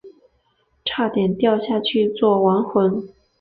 差点掉下去做亡魂